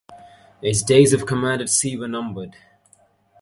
His days of command at sea were numbered.